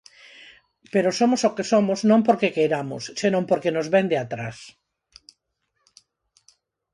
Pero somos o que somos non porque queiramos, senón porque nos vén de atrás.